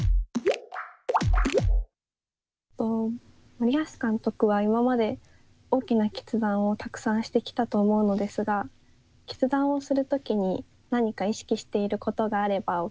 森保監督は今まで大きな決断をたくさんしてきたと思うのですが決断をする時に何か意識していることがあればお聞きしたいです。